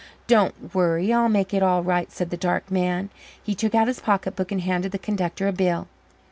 "Don't worry. I'll make it all right," said the dark man. He took out his pocketbook and handed the conductor a bill.